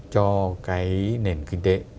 cho cái nền kinh tế